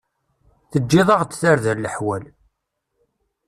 Teǧǧiḍ-aɣ-d tarda leḥwal.